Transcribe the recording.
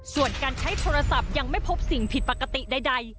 ส่วนการใช้โทรศัพท์ยังไม่พบสิ่งผิดปกติใด